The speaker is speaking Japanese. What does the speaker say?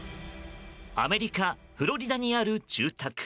アメリカ・フロリダにある住宅。